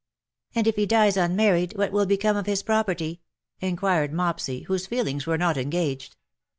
^' And if he dies unmarried what will become of his property ?'' inquired Mopsy, whose feelings were not engaged.